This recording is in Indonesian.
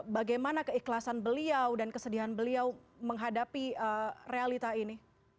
bagaimana keikhlasan beliau dan kesedihan beliau menghadapi realita ini